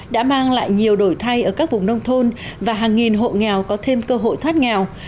đã mang lại nhiều đổi thay ở các vùng nông thôn và hàng nghìn hộ nghèo có thêm cơ hội thoát nghèo